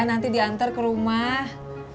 nanti diantar kerumah